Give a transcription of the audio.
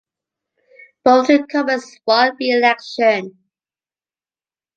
Both incumbents won re-election.